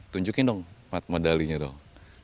tunjukin dong empat medalinya dong